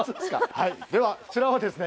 はいではこちらはですね